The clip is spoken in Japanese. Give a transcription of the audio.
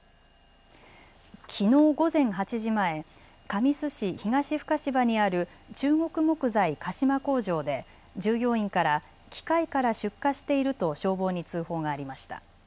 きのう午前８時前、神栖市東深芝にある中国木材鹿島工場で従業員から機械から出火していると消防に通報がありました。